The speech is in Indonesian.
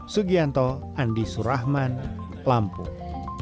sugianto andi surahman lampung